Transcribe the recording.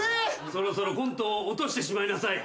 そろそろコントを落としてしまいなさい。